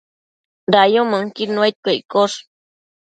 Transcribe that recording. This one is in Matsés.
Dayumënquid nuaidquio iccosh